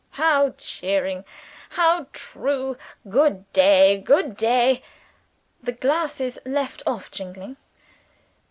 How cheering! how true! Good day; good day." The glasses left off jingling.